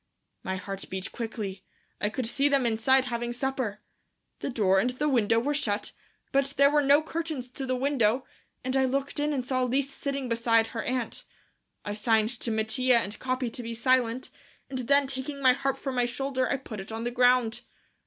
My heart beat quickly. I could see them inside having supper. The door and the window were shut, but there were no curtains to the window, and I looked in and saw Lise sitting beside her aunt. I signed to Mattia and Capi to be silent, and then taking my harp from my shoulder, I put it on the ground.